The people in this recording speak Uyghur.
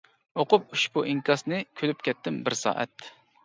ئوقۇپ ئۇشبۇ ئىنكاسنى، كۈلۈپ كەتتىم بىر سائەت!